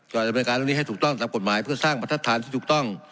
ก็จะบริการตรงนี้ให้ถูกต้องตามกฎหมายเพื่อสร้างประทับฐานที่ถูกต้อง